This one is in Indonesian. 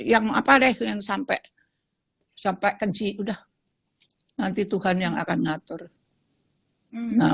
yang apa deh kita yang sampai sampai kecil udah nanti tuhan yang akan ngatur your